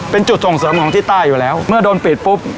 เป็นจุดส่งเสริมของที่ใต้อยู่แล้วเมื่อโดนปิดปุ๊บ